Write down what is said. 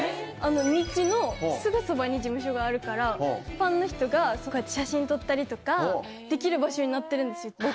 道のすぐそばに事務所があるからファンの人が写真撮ったりとかできる場所になってるんですよ。